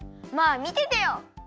まあみててよ。